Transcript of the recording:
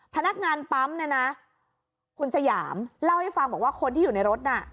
พนักงานปั๊มเนี่ยนะคุณสยามเล่าให้ฟังบอกว่าคนที่อยู่ในรถน่ะ